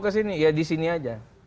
ke sini ya di sini saja